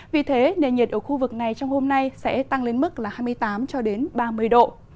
vì thế nền nhiệt ở khu vực này trong hôm nay sẽ tăng lên mức hai mươi tám ba mươi độ